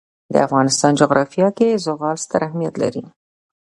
د افغانستان جغرافیه کې زغال ستر اهمیت لري.